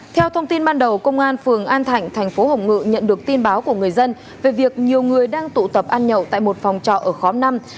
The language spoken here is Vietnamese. theo thông tin ban đầu công an phường an thạnh thành phố hồng ngự nhận được tin báo của người dân về việc nhiều người đang tụ tập ăn nhậu tại một phòng trọ ở khóm năm